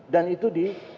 dan itu di